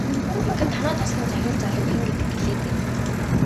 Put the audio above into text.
Ингэхэд танай тасгийн захирал залууг хэн гэдэг гэлээ дээ?